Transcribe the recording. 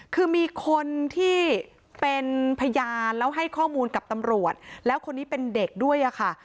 คือมีคนที่เป็นพยานแล้วให้ข้อมูลกับตำรวจแล้วคนนี้เป็นเด็กด้วยอะค่ะ